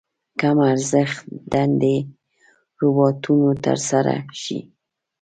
کم ارزښت دندې روباټونو تر سره شي.